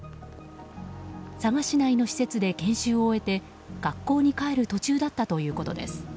佐賀市内の施設で研修を終えて学校に帰る途中だったということです。